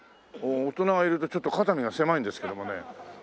大人がいるとちょっと肩身が狭いんですけどもね。